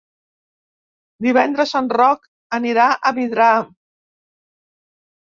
Divendres en Roc anirà a Vidrà.